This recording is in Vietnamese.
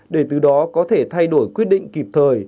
để từ đó có thể thay đổi quyết định kịp thời